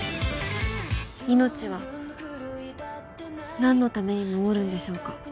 命は何のために守るんでしょうか。